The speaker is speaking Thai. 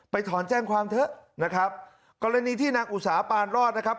ถอนแจ้งความเถอะนะครับกรณีที่นางอุตสาปานรอดนะครับ